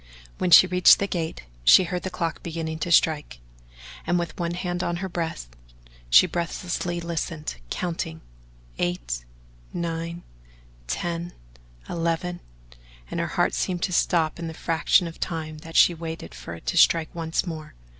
When she reached the gate, she heard the clock beginning to strike, and with one hand on her breast she breathlessly listened, counting "eight, nine, ten, eleven" and her heart seemed to stop in the fraction of time that she waited for it to strike once more.